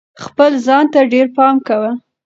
خپل ځان ته ډېر پام کوه.